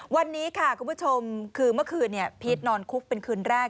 วันนี้ค่ะคุณผู้ชมคือเมื่อคืนพีชนอนคุกเป็นคืนแรก